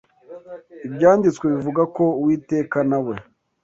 Ibyanditswe bivuga ko Uwiteka na we